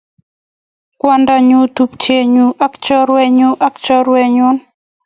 Kwondonyu, tupchenyuu ak chorwenyu ak chorwenyu